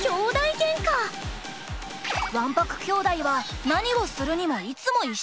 わんぱくきょうだいは何をするにもいつも一緒。